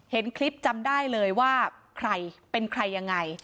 เห็นคลิปจำได้เลยว่าใครเป็นใครยังไง